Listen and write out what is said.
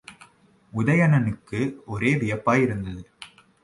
உதயணனுக்கு ஒரே வியப்பாயிருந்தது.